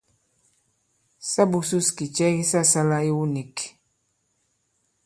Sa būsūs kì cɛ ki sa sālā iwu nīk.